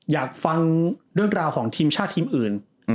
อยากฟังเรื่องราวของทีมชาติทีมอื่น